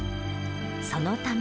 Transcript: そのため。